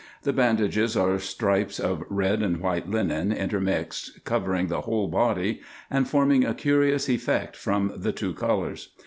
The bandages are stripes of red and white linen inter mixed, covering the whole body, and forming a curious effect from the two colours.